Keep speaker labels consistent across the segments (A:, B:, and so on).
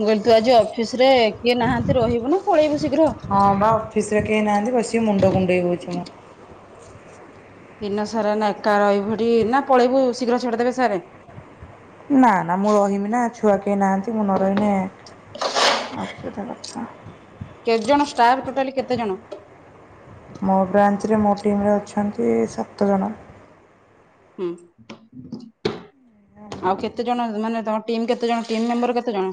A: ମୁଁ କହିଲି, ତୁ ଆଜି ଅଫିସ ରେ, କିଏ ନାହାନ୍ତି ରହିବୁ ନା ପଳେଇବୁ ଶୀଘ୍ର ।
B: ହଁ ବା ଆ [unintelligible]
A: ଦିନ ସାରା ଏନା ଏକା ରହିବୁ ହେଠି, ନା ପଳେଇବୁ ଶୀଘ୍ର ଛଡିଦେବେ ସାରେ
B: ନା ନା ମୁଁ ରହିିବି ନା, ଛୁଆ କେହି ନାହାନ୍ତି, ମୁଁ ନ ରହିନେ ଅଦ୍ଭୁତ କଥା ।
A: କେତେ ଜଣ ଷ୍ଟାଫ ଟୋଟାଲି କେତେ ଜଣ?
B: ମୋ ବ୍ରାଞ୍ଚରେ, ମୋ ଟିମରେ, ଅଛନ୍ତି ସାତ ଜଣ
A: ହୁଁ । ଆଉ କେତେ ଜଣ, ମାନେ ଟିମ୍ କେତେ ଜଣ, ଟିମ ମେମ୍ବର କେତେ ଜଣ?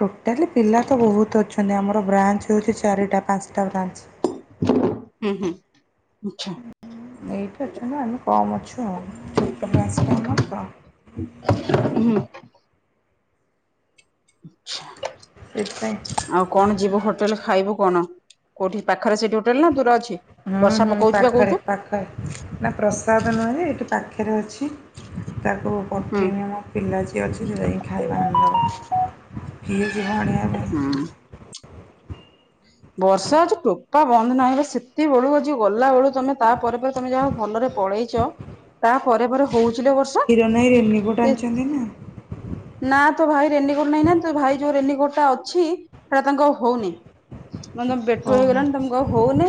B: ଟୋଟାଲି ପିଲା ତ ବହୁତ ଅଛନ୍ତି, ଆମର ବ୍ରାଞ୍ଚ ହଉଛି ଚାରିଟା ପାଞ୍ଚଟା ବ୍ରାଞ୍ଚ
A: ହୁଁ ହୁଁ, ଆଛା ।
B: ଏଇଟ୍ ଅଛ ନା ଆମେ କମ୍ ଅଛୁ ଆଉ, ଛୋଟ ଡ୍ରାନ୍ସଟା [unintelligible] ଆମର ତ
A: ହୁଁ । ଛା [unintelligible]
B: ସେଇଥିପାଇଁ
A: ଆଉ କଣ ଯିବୁ ହୋଟେଲ ଖାଇବୁ କଣ? କୋଉଠି ପାଖରେ ସେଠି ହୋଟେଲ ନା? ଦୂର ଅଛି
B: ହୁଁ
A: ବର୍ଷା
B: ହୁଁ,
A: ପକଉଛି ବା
B: ପାଖରେ
A: କହୁଛୁ
B: ପାଖରେ, ନା ପ୍ରସାଦ ନୁହେଁ ଯେ ଏଇଠୁ ପାଖ ପାଖରେ ଅଛି । ତାକୁ
A: ହୁଁ
B: ପଠେଇବି, ଆମ ପିଲା ଯିଏ ଅଛି ଯେଉଁଟାକି [unintelligible] ଖାଇବା ଆନ୍ଦବ କିଏ ଯିବ ଆଣିଆ
A: ହୁଁ ।
B: [inaudible]
A: ବର୍ଷା ହଉଛି ଟୋପା ବନ୍ଦ ନାହିଁ, ହେଲେ ସେତେ ବେଳୁ ଆ ଯ ଗଲା ବବେଳୁ ତମେ ତାପରେ ପରେ ତମେ ଯାହା ଭଲରେ ପଳେଇଛ, ତା ପରେରେ ପରେ ହଉଛ
B: ହିରୋ ନାଇ, ରେନିବୋଟ ଆଣିଛନ୍ତି ନା?
A: ନା ତୋ ଭାଇ ରେନିକୋଟ ନେଇ ନାହାନ୍ତି, ତୋ ଭାଇ ଯୋଉ ରେନିକୋଟ ଟା ଅଛି, ସେଟା ତାଙ୍କ ଆଉ ହଉନି । ମେ ତମେ ବେଟୁ
B: ଓହୋ
A: ହେଇଗଲାଣି ତମେ କ ହଉନି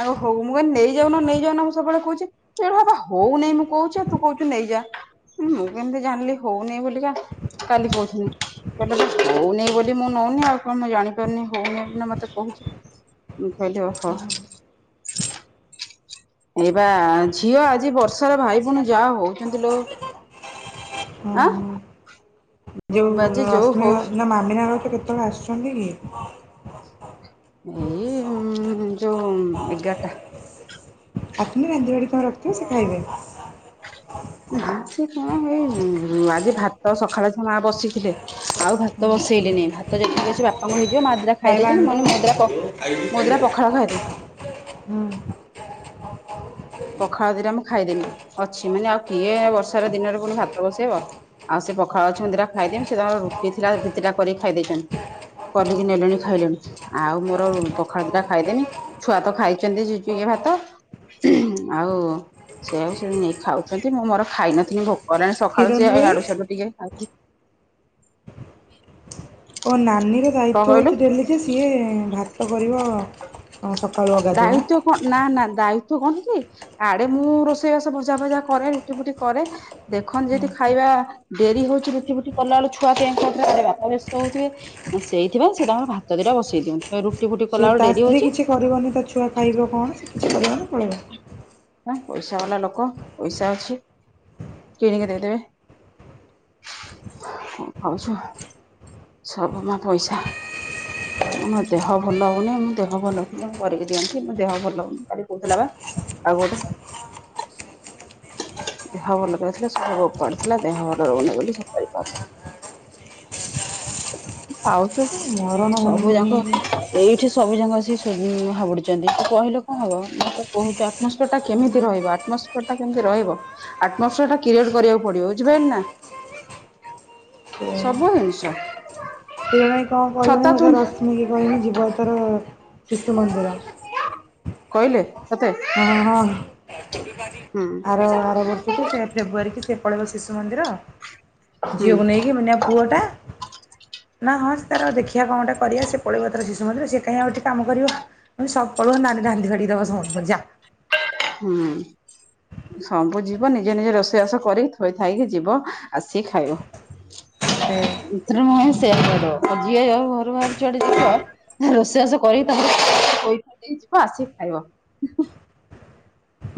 A: ଆ ହଉ ମୁଁ କି ନେଇଯାଉନ, ନେଇଯାଉନ, ମୁଁ ସବୁବେଳେ କହୁଛି, ସେଟ [unintelligible] ହଉ ନାଇଁ ମୁଁ କହୁଛି, ତୁ କହୁଛୁ ନେଇଯା । ହଁ, ମୁଁ କେମିତି ଜାଣିଲି ହଉନି ବୁଲିକା, କାଲି କହୁଥିନି କହିଲେ, ହଉନି ବୋଲି ମୁଁ ନଉନି ଆଉ କଣ ମୁଁ ଜାଣିପାରୁନି ହଉନି ମତେ କହୁଛ ଭ ହ [unintelligible] ଏ ବା ଝିଅ ଆଜି ବର୍ଷ ସାରା ଭାଇ ଭଉଣୀ ଯାହା ହଉଛନ୍ତି ଲୋ,
B: ହଉ
A: ଆ
B: ହଉ। ଯୋଉ ରଶ୍ମି ଘ ନା ମାମିନା ଘର ତ କେତେବେଳେ ଆସୁଛନ୍ତି କି?
A: ଏଇ ଯୋଉ ଏଗାରଟା
B: ଆସିନେ ରାନ୍ଧିବାଡ଼ି ତମେ ରଖିଥିବ, ସେ ଖାଇବେ ।
A: ସେ କଣ ଏଇ ଆଜି ଭାତ ସକାଳେ ଛ ମା ବସିଥିଲେ ଆଉ ଭାତ ବ ସଇଲ [unintelligible] ଭାତ ଯେ ସେ ବାପାଙ୍କୁ ହେଇ ଯୋଉ ମଦୁରା ଖାଇ
B: ଖାଇବା
A: ଦେଇଛନ୍ତି,
B: ଆଣିଦବ।
A: ମାନେ ମୁଦ୍ରା ମୁଦୁରା ପଖାଳ ଖାଇଦେ [unintelligible]
B: ହଁ ।
A: ପଖାଳ ଦିରେ ମୁଁ ଖାଇଦେମି ଅଛି ମାନେ ଆଉ କିଏ ବର୍ଷାର ଦିନରେ ପୁଣି ଭାତ ବସେଇବ ଆଉ ସେଇ ପଖାଳ ଅଛନ୍ତିଟା ଖାଇଦେମ ସେ ତାଙ୍କର ରୁଟି ଥିଲା ଭିତିଟା କରିକ୍ ଖାଇ ଦେଇଛନ୍। କଲିକି ନେଲେଣି ଖାଇଲେଣି ଆଉ ମୋର ପଖାଳ ଦି ଟା ଖାଇଦେବି ଛୁଆ ତ ଖାଇଛନ୍ତି ଯେ ଟିକେ ଭାତ ଆଉ ସେ ଆଉ ସେ ନେଇ ଖାଉଛନ୍ତି ମୁଁ ମୋର ଖାଇନଥିଲି ଭୋକ କଲାଣି ସକାଳୁ ସେ
B: କିରଣ ଭାଇ
A: ଇଆଡୁ ସିଆଡୁ ଟିକେ ଖାଇ
B: ଓ ନାନୀର ଦାୟିତ୍ଵ ହେଉଛି ଡେଲି ଯେ ସିଏ ଭାତ କରିବ ଅ ସକାଳୁ ଅଗାଧୁଆ।
A: ଦାୟିତ୍ଵ କଣ ନା ନା ଦାୟି ତ୍ଵ କଣ କି ଇଆଡେ ମୁଁ ରୋଷେଇବାସ ଭଜା ଭଜା କରେ ରୁଟି ଫୁଟି କରେ ଦେଖନ୍
B: ହୁଁ।
A: ଯଦି ଖାଇବା ଡେରି ହଉଛି ରୁଟି ଫୁଟି କଲା ବେଳକୁ ଛୁଆ କେଁ କଟର ଇଆଡ଼େ ବାପା ବ୍ୟସ୍ତ ହଉଥୁବେ ସେଇଥିପାଇଁ ସେ ତାଙ୍କର ଭାତ ଦିଟା ବସେଇ ଦିଅନ୍ତି। ରୁଟି ଫୁଟି
B: ସେ
A: କଲା ବେଳୁ
B: ତା
A: ଡେରି
B: ସ୍ତ୍ରୀ
A: ହଉଛି
B: କିଛି କରିବନି ତା ଛୁଆ ଖାଇବ କଣ ସେ କିଛି କରିବନି ପଳେଇବ
A: ହଁ ପଇସା ବାଲା ଲୋକ ପଇସା ଅଛି। କିଣିକି ଦେଇଦେବେ। ଖାଉଛୁ ସବୁ ମା ପଇସା। ମୋ ଦେହ ଭଲ ହଉନି ମୋ ଦେହ ଭଲ କରିକି ଦିଅନ୍ତି ମୋ ଦେହ ଭଲ ହଉନି କହୁଥିଲା ବା କାହାକୁ ଗୋଟେ ଦେହ ଭଲ ନଥିଲା ସବୁ ପଡିଥିଲା ଦେହ ଭଲ ରହୁନି ବୋଲି କରିପାରୁନି। ପାଉଛୁ
B: ମରଣ
A: ସବୁ ଯାକ
B: ହଉନି।
A: ଏଇଠି ସବୁ ଯାକ ଆସିକି ସ ସେ ହାବୁଡୁଛନ୍ତି ତୁ କହିଲେ କଣ ହବ ମୋତେ କହୁଛୁ ଆଟୋସ୍ପିୟର ଟା କେତେ କେମିତି ରହିବ ଆଟମସ୍ଫିୟର ଟା କେମିତି ରହିବ ଆଟମସ୍ଫିୟର ଟା କ୍ରିଏଟ କରିବାକୁ ପଡିବ ବୁଝିପାରିଲୁ ନା। ସବୁ ଜିନିଷ
B: କେଜାଣି କଣ
A: ଛତା
B: କହିଲଣି
A: ତୁ
B: ମତେ ରଶ୍ମି କୁ କହିବି ଯିବ ଏଥର ଶିଶୁ ମନ୍ଦିର।
A: କହିଲେ? ତତେ
B: ହଁ ହଁ
A: ହୁଁ
B: ଆର ଆର ବର୍ଷକୁ ସେ ଫେବୃଆରୀ କି ସେ ପଳେଇବ ଶିଶୁ ମନ୍ଦିର
A: ହୁଁ
B: ଝିଅକୁ ନେଇକି ମୁଁ କହିଲି ପୁଅଟା ନା ହଁ ସେ ତାର ଦେଖିବା କଣଟେ କରିବା ସେ ପଳେଇବ ତାର ଶିଶୁ ଶିଶୁ ମନ୍ଦିର ସେ କାଁ ଆଉ କାହିଁକି କାମ କରିବ ସବ ପଲଉ ନାନୀ ରାନ୍ଧି ବାଢ଼ିକି ଦବ ସମସ୍ତଙ୍କୁ ଯା।
A: ହୁଁ। ସବୁ ଯିବ ନିଜେ ନିଜେ ରୋଷେଇବାସ କରି ଥୋଇଥାଇକି ଯିବ ଆସିକି ଖାଇବ।
B: ସେ
A: ଏଥର ମୁଁ ସେଏଆ କରିବ ଯିଏ ଯାହା ଘରୁ ବାହାରିକି ଯୁଆଡେ ଯିବ ରୋଷେଇବାସ କରିକି ତାପରେ ଥୋଇକି ଯିବ ଆସିକି ଖାଇକି ଖାଇବ ହିଁ ହିଁ।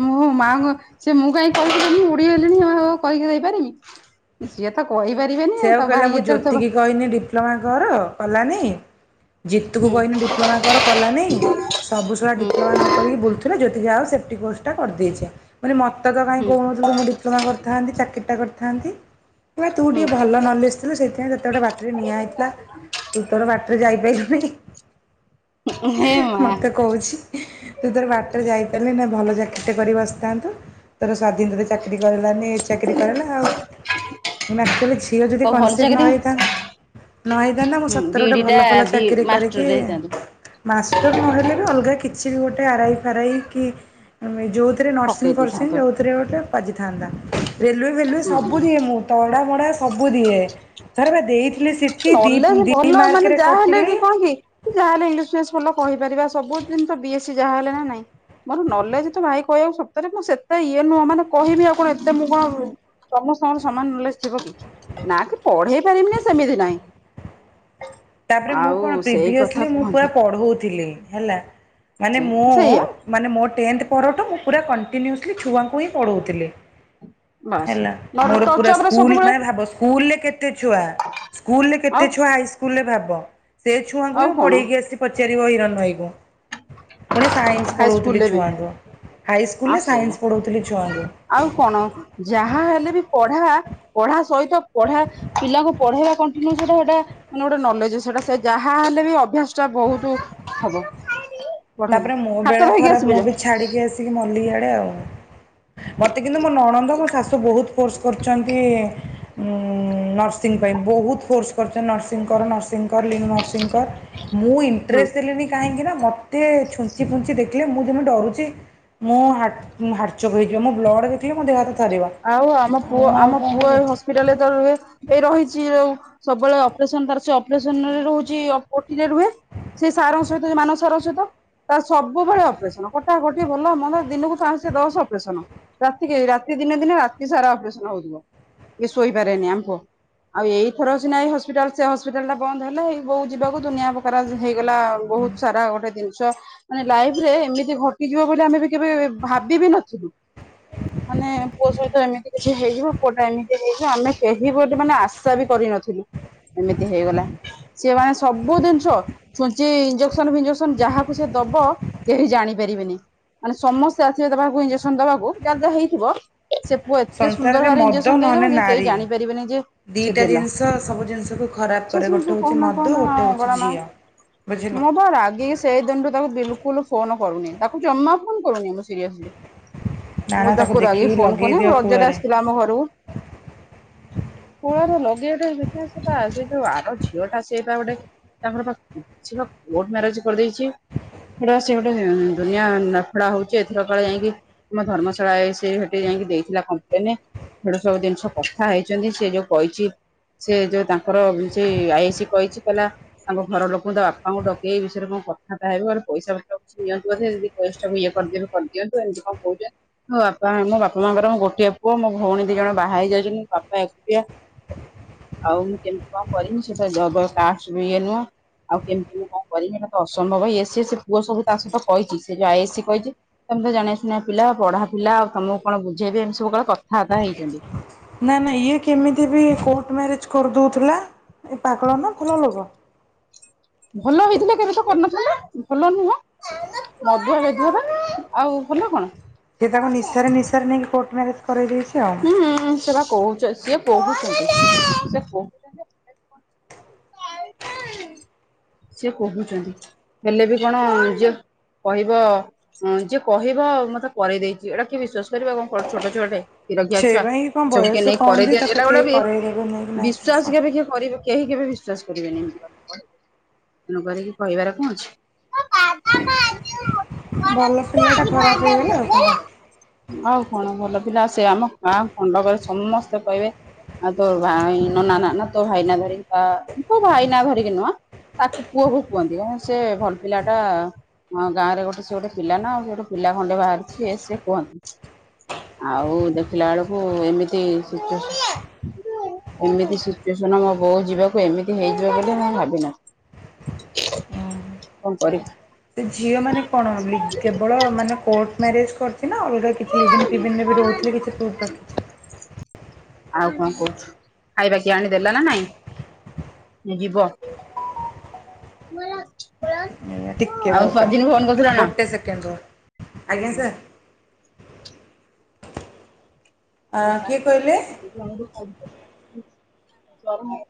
A: ମୁଁ ମାଆଙ୍କ ସେ ମୁଁ କାହିଁକି କହିକି କହିଲୁ ଦେବି ମୁଁ ବୁଢ଼ୀ ହେଲିଣି ଆଉ କରିକି ଦେଇପାରିବି। ସିଏତ
B: ସେ ଆଉ କହିଲା ମୁଁ ଜ୍ୟୋତି କିି କହିନି ଡିପ୍ଲୋମା କର କଲାନି ଜିତୁକୁ କହିନି ଡିପ୍ଲୋମା କର କଲାନି ସବୁ ସୁଳା
A: ହୁଁ
B: ଡିପ୍ଲୋମା ନ କରିକି ବୁଲୁଥିଲେ ଜ୍ୟୋ ରିୟା ଆଉ ସେଫ୍ଟି କୋର୍ସଟା କରିଦେଇଛେ ମାନେ ମତେ ତ କାଇଁ
A: ହୁଁ
B: କହୁନଥୁଲୁ ଡିପ୍ଲୋମା କରିଥାନ୍ତି ଚାକିରି ଟା କରିଥାନ୍ତି ତୁ ଟିକେ
A: ହୁଁ
B: ଭଲ ନଲେଜ ଥିଲୁ ସେଥିପାଇଁ ଯେତେବେେ ବାଟେରୀ ନିଆଁ ହେଇଥିଲା ତୁ ତୋର ବାଟରେ ଯାଇ ହିଁ
A: ହେ
B: ପାଇଲୁନି
A: ମା
B: ମତେ କହୁଛି ତୁ ତୋର ବାଟରେ ଯାଇପାରିଲି ନା ଭଲ ଚାକି ସେ କରିକି ବସି ଥାନ୍ତୁ ତୋର ସ୍ଵାଧୀନରେ ଚାକିରି କଲାନି ଏ ଚାକିରି କରିଲା ଆଉ। ତବେ ଝିଅ ଯଦି
A: କୋଉ ଭଲ
B: କନସିପ
A: ଚାକିରି
B: ନ ହେଇଥାନ୍ତା ନ ହେଇ ଥାନ୍ତା ମୁଁ
A: ହୁଁ
B: ସତରେ ଗୋଟେ
A: ବିଇଡି ଟା
B: ଭଲ ଫଲ
A: ବି
B: ଚାକିରୀ କରିକି
A: ମାଷ୍ଟରରେ ହେଇଥାନ୍ତୁ
B: ମାଷ୍ଟର ନହେଲେ ବି ଅଲଗା କିଛି ବି ଗୋଟେ ଆରଆଇ ଫେରାଇ କି ଏମି ଯେଉଁଥିରେ ନର୍ସିଂ
A: ପକେଇ
B: ଫର୍ସିଂ
A: ଦେଇଥାନ୍ତୁ।
B: ଯେଉଁଥିରେ ଗୋଟେ ବାଜିଥାନ୍ତା ରେଲୱେ ଭେଲୱେ
A: ହୁଁ
B: ସବୁଦିଏ ମୁଁ ତଡ଼ ମଡ଼ା ସବୁ ଦିଏ ଥରେ ପା ଦେଇ
A: ନଲେଜ ଭଲ ମାନେ ଯାହା ହେଲେ କି
B: କଟିଲି।
A: କଣ କି ଯାହା ହେଲେ ଇଂ ଭଲ କହିପାରିବା ସବୁ ଜିନିଷ ବିଏସିି ଯାହାହେଲେ ନା ନାଇଁ। ମୋର ନଲେଜ ତ ଭାଇ କହିବାକୁ ସତରେ ମୁଁ ସେତେ ଇଏ ନୁହଁ ମାନେ କହିବି ଆଉ କଣ ଏତେ ମୁଁ କଣ ତମ ସାଙ୍ଗରେ ସମାନ ନଲେଜ ଥିବ କି ନା କି ପଢେଇ ପାରିବି ନା ସେମିତି ନାହିଁ
B: ତାପରେ ମୁଁ କଣ
A: ଆଉ ସେଇ କଥା
B: ପ୍ରିଭିଅସଲି ମୁଁ ପୁରା
A: କୁହନ୍ତି
B: ପଢଉଥିଲି ହେଲା ମାନେ
A: ସେ
B: ମୁଁ
A: ସେଇଆ
B: ମାନେ ମୋ ଟେନ୍ଥ ପରଠୁ ପୁରା କଣ୍ଟିନ୍ୟୁଅସ୍ଲି ଛୁଆଙ୍କୁ ହିଁ ପଢ଼ଉଥିଲେ।
A: ବାସ୍
B: ହେଲା
A: ନହେଲେ
B: ମୋର
A: ଟଚ
B: ପୁରା
A: ଅପରେ
B: ସ୍କୁଲ
A: ସବୁବେଳେ
B: ମାନେ ଭାବ ସ୍କୁଲରେ କେତେ ଛୁଆ ସ୍କୁଲ ରେ
A: ଆଉ
B: କେତେ ଛୁଆ ହାଇସ୍କୁଲରେ ଭାବ ସେ ଛୁଆଙ୍କୁ ବି
A: ଆଉ
B: ମୁଁ
A: କଣ
B: ପଢ଼େଇକି ଆସିଛି ପଚାରିବ ହିରଣ ଭାଇଙ୍କୁ। ପୁଣି ସାଇନ୍ସ ପଢ଼ଉଥିଲି
A: ହାଇସ୍କୁଲରେ ବି
B: ଛୁଆଙ୍କୁ। ହାଇସ୍କୁଲରେ
A: ଆଉ ସେଇଆା
B: ସାଇନ୍ସ ପଢ଼ଉଥିଲି ଛୁଆଙ୍କୁ।
A: ଆଉ କଣ ଯାହା ହେଲେ ବି। ପଢ଼ା ପଢ଼ା ସହିତ ପଢ଼ା ପିଲାଙ୍କୁ ପଢେଇବା କଣ୍ଟିନ୍ୟୁ ସେଟା ସେଇଟା ମାନେ ଗୋଟେ ନଲେଜ ସେଇଟା ସେ ଯାହାହଲେ ବି ଅଭ୍ୟାସ ଟା ବହୁତ ହବ। [inaudible]
B: ତାପରେ ମୋ
A: ହାତ
B: ବେଳା
A: ଧୋଇକି
B: ଖରାପ ମୁଁ
A: ଆସିବୁ ଯା
B: ବି ଛାଡ଼ିକି ଆସିକି ମଲି ଇଆଡେ ଆଉ। ମତେ କିନ୍ତୁ ମୋ ନଣନ୍ଦ ମୋ ଶାଶୁ ବହୁତ ଫୋର୍ସ କରୁଛନ୍ତି ଉଁ ନର୍ସିଂ ପାଇଁ ବହୁତ ଫୋର୍ସ କରିଛନ୍ତି ନର୍ସିଂ କର ନର୍ସିଂ କର ଲିଙ୍ଗ ନର୍ସିଂ କର ମୁଁ
A: ହୁଁ।
B: ଇଣ୍ଟରେଷ୍ଟ ଦେଲିନି କାହିଁକି ନା ଏତେ ଛୁଞ୍ଚି ଫୁଞ୍ଚି ଦେଖିଲେ ମୁଁ ଯେମିତି ଡରୁଛି। ମୁଁ ହାଟ ହାଟଚୋକ ହେଇଯିବ ମୋ ବ୍ଲଡ ଦେଖିଲେ ମୋ ଦେହ ହାତ ଥରିବ
A: ଆଉ ଆମ ପୁଅ
B: ମୁଁ ଆଉ
A: ଆମ
B: କଣ
A: ପୁଅ
B: କରେ
A: ହସ୍ପିଟାଲରେ ତ ରୁହେ। ଏ ରହିଛି ଯୋଉ ସବୁବେଳେ ଅପରେସନ ତ ଅପରେସନରେ ରହୁଛି ଓଟି ରେ ରୁହେ। ସେ ସାରଙ୍କ ସହିତ ମାନସ ସାରଙ୍କ ସହିତ। ତାର ସବୁବେଳେ ଅପରେସନ କଟାକଟି ଭଲ ମନ୍ଦ ଦିନକୁ ପାଞ୍ଚେ ଦଶ ଅପରେସନ ରାତିକେ ରାତି ଦିନେ ଦିନେ ରାତି ସାରା ଅପରେସନ ହଉଥିବ ଏ ଶୋଇପାରେନି ଆମ ପୁଅ। ଆଉ ଏଇଥର ସିନା ଏଇ ହସ୍ପିଟାଲ ସେ ହସ୍ପିଟାଲ ଟା ବନ୍ଦ ହେଲେ ବୋଉ ଯିବାକୁ ଦୁନିଆ ପ୍ରକାର ହେଇଗଲା ବହୁତ ସାରା ଗୋଟେ ଜିନିଷ ମାନେ ଲାଇଫ ରେ ଏମିତି ଘଟିଯିବ ବୋଲି ଆମେ ବି କେବେ ଭାବିବି ନଥିଲୁ। ମାନେ। ପୁଅ ସହିତ ଏମିତି କିଛି ହେଇଯିବ ପୁଅଟା ଏମିତି ହେଇଯିବ ଆମେ କେହି ବୋଲି ମାନେ ଆଶା ବି କରିନଥିଲୁ। ଏମିତି ହେଇଗଲା ସିଏ ମାନେ ସବୁ ଜିନିଷ ଛୁଞ୍ଚି ଇଞ୍ଜେକ୍ସନ ଫିଞ୍ଜେକ୍ସନ ଯାହାକୁ ସେ ଦବ କେହି ଜାଣିପାରିବେନି। ମାନେ ସମସ୍ତେ ଆସିବେ ତା ପାଖକୁ ଇଞ୍ଜେକ୍ସନ ଦବାକୁ ଯାହାର ଯାହା ହେଇଥିବ। ସେ ପୁଅ ଏତେ ସୁନ୍ଦର
B: ସଂସାରରେ
A: ଭାବରେ
B: ମଦ
A: ଇଞ୍ଜେକ୍ସନ
B: ନହେଲେ
A: ଦେଇଦବ ଯେ କେହି
B: ନାରୀ
A: ଜାଣିପାରିବେନି ଯେ ସେ
B: ଦୁଇଟା
A: ଦେଲା।
B: ଜିନିଷ ସବୁ ଜିନିଷକୁ ଖରାପ
A: ଛି
B: କରେ
A: ଛି
B: ଗୋଟେ
A: ଛି
B: ହେଉଛି
A: କହନା
B: ମଦ
A: କହନା ମା
B: ଗୋଟେ ହେଉଛି
A: ମଙ୍ଗଳା ମା।
B: ଝିଅ ବୁଝିଲ
A: ମୁଁ ବା ରାଗିକି ସେଇ ଦିନରୁୁ ତାକୁ ବିଲ ଲ ଫୋନ କରୁନି ତାକୁ ଜମା ଫୋନ କରୁନି ମୁଁ ସିରିୟସଲି।
B: ନା ନା ତାକୁ ଦେଖି
A: ରାଗିକି ଫୋନ
B: ଲାଗୁ
A: କନି ମୁଁ ରଜରେ ଆସିଥିଲା ଆମ ଘରକୁ କ ଲଗେଇ ଦେଖ ସେଟ ସେ ଯଉ ଆର ଝିଅ ଟା ସେଇଟା ଗୋଟେ ତାଙ୍କର ପାଖ କିଛି ବା କୋର୍ଟ ମ୍ୟାରେଜ କରିଦେଇଛି। ସେଟା ସେ ଗୋଟେ ଦୁନିଆ ନଫଡା ହଉଛି ଏଥିରକାଳେ ଯାଇକି ଆମ ଧର୍ମଶାଳା ସେ ଯାଇକି ଦେଇଥିଲା କମ୍ପ୍ଲେନ ସେଟୁ ସବୁ ଜିନିଷ କଥା ହେଇଛନ୍ତି ସେ ଯୋଉ କହିଛି ସେ ଯୋଉ ତାଙ୍କର ସେ ଆଇ ଆଇ ସି କହିଛି କଲା ତାଙ୍କ ଘର ଲୋକଙ୍କୁ ତା ବାପାଙ୍କୁ ଡକେଇ ଏ ବିଷୟରେ କ କଥାଟ ହେବେ ଘର ପଇସା କିଛି ନିଅନ୍ତୁ ବୋଧେ ଯଦି ପଇସାକୁ ଇଏ କରିଦେବେ କରିଦିଅନ୍ତୁ ଏମିତି କଣ କହୁ ବାପା ମୋ ବାପା ମାଙ୍କର ଗୋଟିଏ ପୁଅ ମୋ ଭଉଣୀ ଦି ଜଣ ବାହା ହେଇ ଯାଉଛନ୍ତି ବାପା ଏକୁଟିିଆ। ଆଉ ମୁଁ କେମିତି କଣ କରିବି ସେ ପା ଜଗ କାଷ୍ଟ ବି ଇଏ ନୁହଁ। ଆଉ କେମିତି ମୁଁ କଣ କରିବି ନା ତ ଅସମ୍ଭବ ଏଇ ଏ ସ ସେ ପୁଅ ସବୁ ତା ସହିତ କହିଛି ସେ ଯଉ ଆଇ ଏ ସି କହିଛି ତମେ ତ ଜାଣଆ ସୁଣିଆ ପିଲା ପଢ଼ା ପିଲା ଆଉ ତମକୁ କଣ ବୁଝେଇବି ଏମି ସବୁ କଣ କଥାବାର୍ତା ହେଇଛନ୍ତି।
B: ନା ନା ଇଏ କେମିତି ବି କୋର୍ଟ ମ୍ୟାରେଜ କରିଦଉଥିଲା। ଏ ପାଗଳର ନା ଭଲ ଲୋକ
A: ଭଲ ହେଇଥିଲେ କେବେ ତ କରିନଥାନ୍ତା ଭଲ ନୁହଁ ମଦୁଆ ବେଧୁଆ ପା ଆଉ ଭଲ କଣ?
B: ସେଏ ତାଙ୍କୁ ନିସାରେ ନିସାରେ ନ ନେଇକି କୋର୍ଟ ମ୍ୟାରେଜ କରାଇଦେଇଚି।
A: ହୁଁ ସେପା କହୁ ସିଏ କହୁଛନ୍ତି ସିଏ କୋହୁ ସେ କହୁଛନ୍ତି ହେଲେ ବି କଣ ଯ କହିବ ଯିଏ କହିବ ମତେ କରେଇଦେଇଛି ଏଇଟା କିଏ ବିଶ୍ଵାସ କର କଣ ଛୋଟ ଛୁଆଟେ। କ୍ଷୀର କିିଆ
B: ସେଇ
A: ଛୁଆ
B: ପାଇଁ କଣ
A: ଏ ସବୁ କି
B: ବୟସ
A: ନେଇ
B: କମ
A: କରାଇ
B: ଯେ
A: ଦିଅନ୍ତି
B: ତାକୁ
A: ଏଟା ଗୁଟା
B: କେହି କରେଇଦେବେ ନେଇକି ନା
A: ବିଶ୍ଵାସ କେବେ କିଏ କରିବ। କେହି କେବେ ବିଶ୍ୱାସ୍ କରିବେନି। ଣ କରିକି କହିବାର କଁ ଅଛି?
B: ଭଲ ପିଲାଟା ଖରାପ ହେଇଗଲା ଆଉ କଣ।
A: ଆଉ କଣ ଭଲ? ପିଲା ସେ ଆମ ଗାଁ ଖଣ୍ଡକରେ ସମସ୍ତେ କହିବେ ଆ ତୋ ଭାଇ ନନା ନା ତୋ ଭାଇନା ଧରିକି ପା ତୋ ଭାଇନା ଧରିିକ କି ନୁହଁ ତାକୁ ପୁଅକୁ କୁହନ୍ତି କଣ ସେ ଭଲ୍ ପିଲା ଟା ଗାଁରେ ଗୋଟେ ସେ ଗୋଟେ ପିଲା ନା ପିଲା ଖଣ୍ଡେ ବାହାରୁଛି ଇଏ ସିଏ କୁହନ୍ତି। ଆଉ ଦେଖିଲା ବେଳକୁ ଏମିତି ଏମିତି ସିଚୁଏସନ ମୋ ବୋଉ ଯିବାକୁ ଏମିତି ହେଇଯିବ ବୋଲି ନାଇ ଭାବିିନ କଣ କରି
B: ସେ ଝିଅ ମାନେ କଣ ବୋଲି କେବଳ ମାନେ କୋଟ୍ ମ୍ୟାରେଜ୍ କିନ ଅଲଗା କିଛି ଲିଭିନ୍ ଫିଭିିନ୍ ରେ ବି ରହୁଥିଲେ କିଛି ପ୍ରୁଫ୍ ର।
A: ଆଉ କଣ କୋଉ ଖାଇବା କିଏ ଆଣିଦେଲା ନା ନାଇଁ? ସି ଦିବସ।
B: ଆୟାଁ ଟିକେ ଭାଉଜ ଗୋଟେ ସେକେଣ୍ଡ ରୁହ ଆଜ୍ଞା ସାର୍। କିଏ କହିଲେ
A: [inaudible]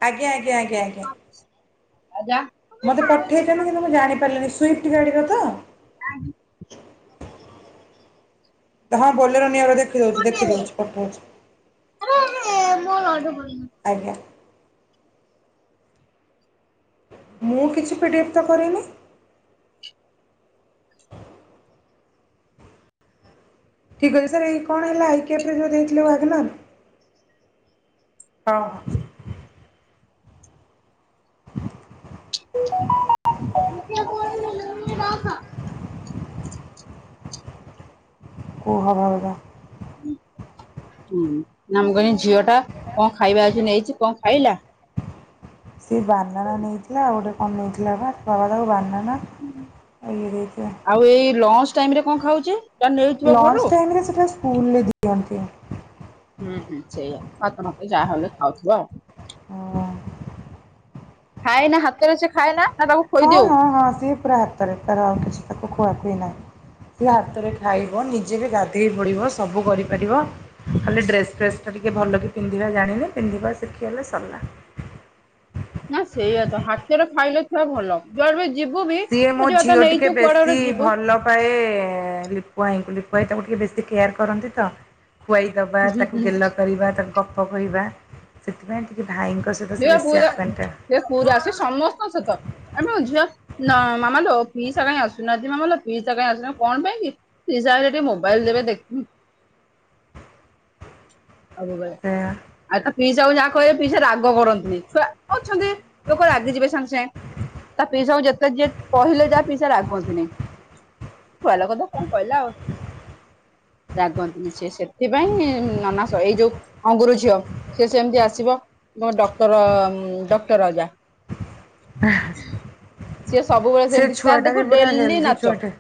B: ଆଜ୍ଞା ଆଜ୍ଞା ଆଜ୍ଞା ଆଜ୍ଞା।
A: ନା
B: ମତେ ପଠେଇଛନ୍ତି କିନ୍ତୁ ମୁଁ ଜାଣିପାରିଲିନି ସୁଇଫ୍ଟି ଗାଡିର ତ? ହଁ ବଲେର ନିଓର ଦେଖିଦୋଉଚି ଦେଖିଦୋଉଚି ପଠୋଉଚି।
A: [unintelligible]
B: ଆଜ୍ଞା। ମୁଁ କିଛି ପିଡ଼ିଏଫ୍ ତ କରିନି। ଠିକ କରି ସାରେ ଏଇ କଣ ଆଇଲା ଏଇକ୍ୟାପ୍ ରେ ଯୋଉ ଦେଇଥିଲଥିଲେ ୱାଗ୍ନର୍। ହଁ। [inaudible]
A: ରଖ।
B: କୁହ ଭାଉଦା
A: ହୁଁ। ହୁଁ ନାଁ ମୁ କଇନି ଝିଅ ଟା କଁ ଖାଇବା ଆଜି ନେଇଚି କଁ ଖାଇଲା?
B: ସିଏ ବାନାନା ନେଇଥିଲା ଆଉ ଗୋଟେ କଣ ନେଇଥି ଲା ପା ଫ୍ରଡ୍ ଆଉ ବାହାନା ଆଉ ଇଏ ଦେଇଥିଲା
A: ଟାଇମ୍ ରେ କଁ ଖାଉଚି?
B: ଲଞ୍ଚ୍ ଟାଇମ୍ ରେ ସେଟା ସ୍କୁଲ୍ ରେ ଦିଅନ୍ତି।
A: ହୁଁ ହୁଁ ସେଇଆ ଭାତ ଫାତ ଯାହାହେଲେ ଖାଉଥୁବ ଆଉ। ଖାଇ ନା ହାତରେ ସେ ଖାଏନା?
B: ହଁ ହଁ ହଁ ସିଏ ପୁରା ହାତରେ ତାର ଆଉ କିଛି ତାକୁ ଖୁଆଖୁଇ ନାଇଁ। ସିଏ ହାତରେ ଖାଇବ ନିଜେ ବି ଗାଧେଇ ପଡିବ ସବୁ କରିପାରିବ ଖାଲି ଡ୍ରେସ୍ ଫ୍ରେସ୍ ଟା ଟିକେ ଭଲକି ପିନ୍ଧିବା ଜାଣିନି ପିନ୍ଧିବା ଶିଖିଗଲେ ସରିଲା।
A: ନା ସେଇଆ ତ ହାତରେ ଖାଇଲେ ଛୁଆ ଭଲ, ଯୁଆର ବି ଯିବୁ ବି
B: ସିଏ ମୋ
A: ଖୋଜିବା ତ
B: ଝିଅ ଟିକେ
A: ନେଇଛୁ କୁଆଡେ
B: ବେଶୀ
A: ଗୋଟେ ଯିବୁ
B: ଭଲ ପାଏ ଲି ପୁଆଇଙ୍କୁ ଲିପୁଆଇ ତାଙ୍କୁ ଟିକେ ବେଶୀ କେୟାର କରନ୍ତି ତ, ଖୁଆଇଦବା
A: ହୁଁ
B: ତାକୁ
A: ହୁଁ।
B: ଗେଲ କରିବା ତାକୁ କ ପ କହିବା ସେଥିପାଇଁ ଟିକେ ଭାଇଙ୍କ ସହିତ ସେ
A: ସିଏ ପା
B: ବେଶୀ
A: ପୁରା
B: ଆକ୍ୱେଣ୍ଟେଡ଼୍।
A: ସିଏ ପୁରା ସିଏ ସମସ୍ତଙ୍କ ସହିତ ଆମ ଝିଅ ନା ମାମାଲୋ ପିଇସା କାଇଁ ଆସୁନାହାନ୍ତି ମାମା ଲୋ ପିଇସା କାଇଁ ଆସୁ ନା କଣ ପାଇଁ କି? ପିଇସା ଆସିଲେ ଟିକେ ମୋବାଇଲ୍ ଦେବେ ସବୁବେଳେ
B: ସେ
A: ଆ ପିଇସା ଯାହା କହିବେ ପିଇସା ରାଗ କରନ୍ତିନି ଛୁଆ ଅଛନ୍ତି ଲୋକ ରାଗି ଯିବେ ସାଙ୍ଗେ ସାଙ୍ଗେ ତା ପିଇସା କୁ ଯେତେ ଯିଏ କହିଲେ ଯାହା ପିଇସା ରାଗନ୍ତିନି । ଛୁଆ ଲୋକ ତ କଣ କହିଲା ଆଉ? ରାଗନ୍ତି ସେ ସେଥିପାଇଁ ନନା ଏଇ ଯୋଉ ଅଙ୍ଗୁୁର ଝିଅ ସେ ସେମତି ଆସିବ ଡକ୍ଟର ଡକ୍ଟର ରାଜା ସିଏ ସବୁବେଳେ
B: ସେ
A: ସେମିତି ତା
B: ଛୁଆଟା ବି
A: ଦେଖୁ
B: ପୁରା
A: ଡେଲି
B: ହେଲ୍ଦି
A: ନାଚ।
B: ଛୁଆଟେ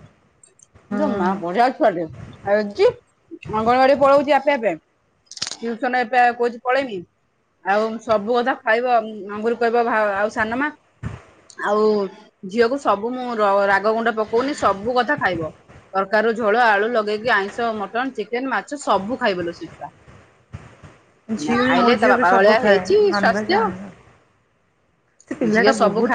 A: ମା
B: ହୁଁ।
A: ବଢିଆ ଛୁଆଟେ ଆଉ ଜି ଅଙ୍ଗନବାଡି ପଳୋଉଛି ଆପେ ଆପେ ଟ୍ୟୁସନ ଏ କା କହୁଛି ପଳେଇବି ଆଉ ସବୁ କଥା ଖାଇବ ଅଙ୍ଗୁର କହିବ ଆଉ ସାନମା ଆଉ ଝିଅକୁ ସବୁ ମୁଁ ରାଗ ଗୁଣ୍ଡ ପକୋଉନି ସବୁ କଥା ଖାଇବ ତରକାର ର ଝୋଳ ଆଳୁ ଲଗେଇକି ଆଇଁଷ ମଟନ ଚିକେନ ମାଛ ସବୁ ଖାଇବଲ ଶିଖା। ନ
B: ଝିଅ ବି ମୋ
A: ଖାଇଲେ ତ
B: ଝିଅ ବି
A: ବାପା
B: ସବୁ
A: ଭଳିଆ
B: ଖାଏ
A: ହେଇଛି
B: ନନଭେଜ୍
A: ସ୍ୱାସ୍ଥ୍ୟ।
B: ଅନଭେଜ୍ ସେ
A: ଝିଅ
B: ପିଲାଟା
A: ସବୁ
B: ବହୁତ
A: ଖାଇ